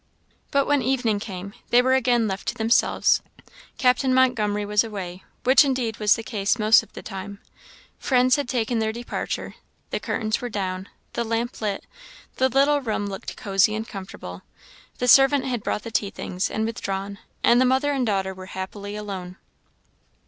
But when evening came, they were again left to themselves. Captain Montgomery was away, which indeed was the case most of the time; friends had taken their departure; the curtains were down, the lamp lit, the little room looked cozy and comfortable; the servant had brought the tea things, and withdrawn, and the mother and daughter were happily alone.